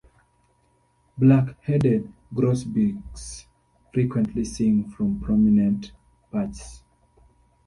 Black-headed grosbeaks frequently sing from prominent perches.